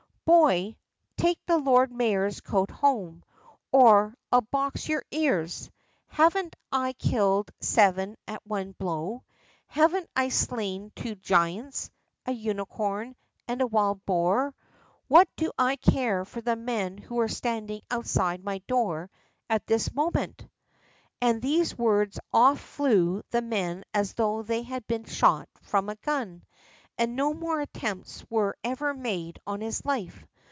"Boy, take the Lord Mayor's coat home, or I'll box your ears. Haven't I killed seven at one blow? Haven't I slain two giants, a unicorn, and a wild boar? What do I care for the men who are standing outside my door at this moment?" At these words off flew the men as though they had been shot from a gun, and no more attempts were ever made on his life.